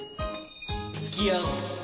つきあおう